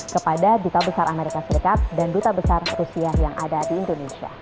kepada duta besar amerika serikat dan duta besar rusia yang ada di indonesia